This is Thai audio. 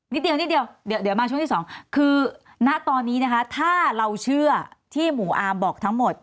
นิดเดียวเดี๋ยวมาช่วงที่สองคือณตอนนี้นะคะถ้าเราเชื่อที่หมู่อาร์มบอกทั้งหมด